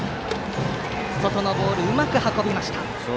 外のボールをうまく運びました。